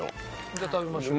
じゃあ食べましょう。